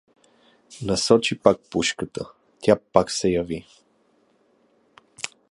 Насочи пак пушката — тя пак се яви.